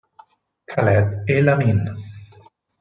Khaled El-Amin